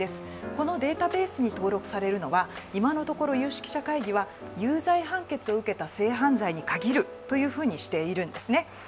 このデータベースに登録されるのは今のところ有識者会議では有罪判決を受けた性犯罪に限るというふうにしているんですね。